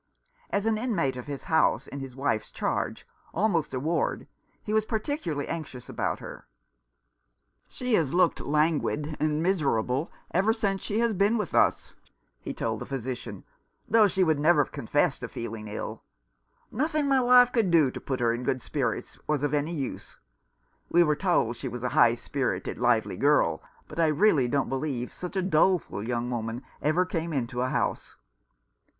As an inmate of his house, in his wife's charge, almost a ward, he was particularly anxious about her. "She has looked languid and miserable ever since she has been with us," he told the physician, "though she would never confess to feeling ill. Nothing my wife could do to put her in good spirits was of any use. We were told she was a high spirited, lively girl ; but I really don't believe such a doleful young woman ever came into a house."